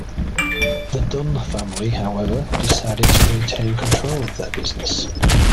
The Dunne family, however, decided to retain control of their business.